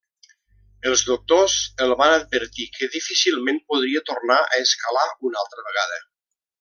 Els doctors el van advertir que difícilment podria tornar a escalar una altra vegada.